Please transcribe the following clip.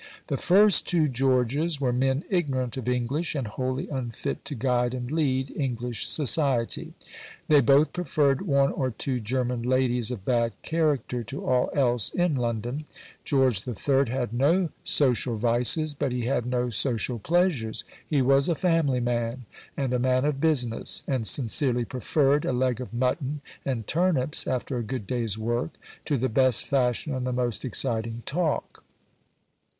The first two Georges were men ignorant of English, and wholly unfit to guide and lead English society. They both preferred one or two German ladies of bad character to all else in London. George III. had no social vices, but he had no social pleasures. He was a family man, and a man of business, and sincerely preferred a leg of mutton and turnips after a good day's work, to the best fashion and the most exciting talk.